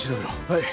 はい。